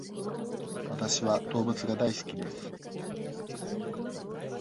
わたしは動物が大好きです。